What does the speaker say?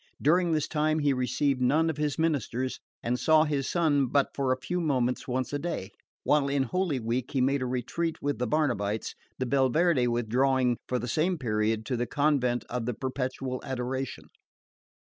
During this time he received none of his ministers, and saw his son but for a few moments once a day; while in Holy Week he made a retreat with the Barnabites, the Belverde withdrawing for the same period to the convent of the Perpetual Adoration.